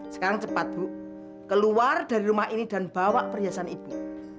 sekarang cepat bu keluar dari rumah ini dan bawa perhiasan ibu